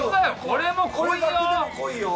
これも濃いよ！